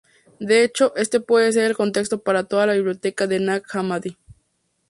De hecho, este puede ser el contexto para toda la biblioteca de Nag Hammadi.